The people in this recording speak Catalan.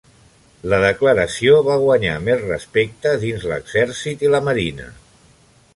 La declaració va guanyar més respecte dins l'exèrcit i la marina.